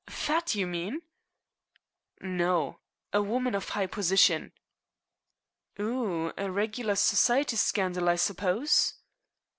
Fat, do you mean?" "No. A woman of high position." "Phew! A regular society scandal, I suppose?"